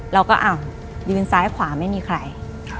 เราก็อ้าวยืนซ้ายขวาไม่มีใคร